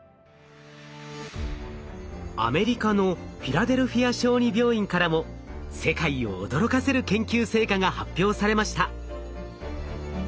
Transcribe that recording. アメリカのフィラデルフィア小児病院からも世界を驚かせる研究成果が発表されました。